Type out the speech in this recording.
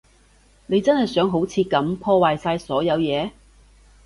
你真係想好似噉破壞晒所有嘢？